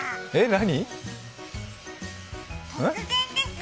何？